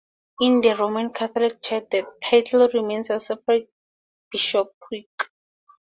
In the Roman Catholic Church, the title remains a separate bishopric.